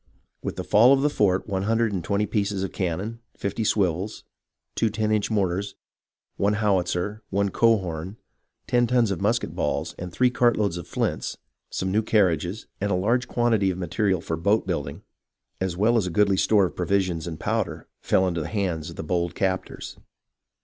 With the fall of the fort one hundred and twenty pieces of can non, fifty swivels, two ten inch mortars, one howitzer, one cohorn, ten tons of musket balls, three cart loads of flints, some new carriages, and a large quantity of material for boat building, as well as a goodly store of provisions and powder, fell into the hands of the bold captors.